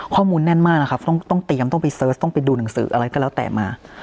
แน่นมากนะครับต้องเตรียมต้องไปเสิร์ชต้องไปดูหนังสืออะไรก็แล้วแต่มา